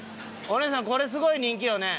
お姉さんこれすごい人気よね？